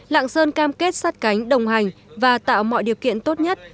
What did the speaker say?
lạng sơn cam kết sát cánh đồng hành và tạo mọi điều kiện tốt nhất